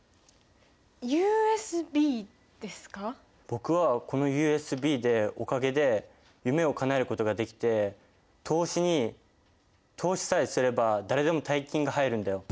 僕はこのＵＳＢでおかげで夢をかなえることができて投資に投資さえすれば誰でも大金が入るんだよ。